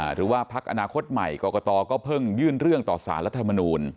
หรือว่าพักอนาคตใหม่กรกตก็เพิ่งยื่นเรื่องต่อสารรัฐมนูล